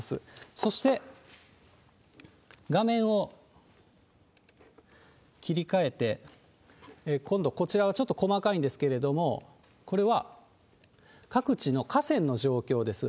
そして、画面を切り替えて、今度、こちらはちょっと細かいんですけれども、これは各地の河川の状況です。